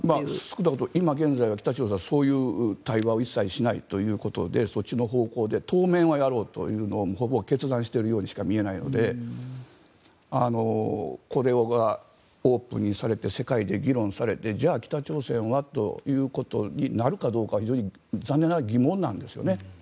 少なくとも今現在は北朝鮮はそういう対話を一切しないということでそっちの方向で当面はやろうと決断しているようにしか見えないのでこれがオープンにされて世界で議論されてじゃあ北朝鮮はということになるかどうかは非常に残念ながら疑問なんです。